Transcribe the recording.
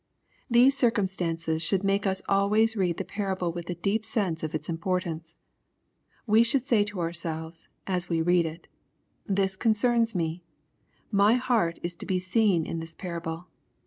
These circumstances should make us always read the parable with a deep sense of its impor tance. We should say to ourselves, as we read it :" This concerns me. My heart is to be seen in this parable.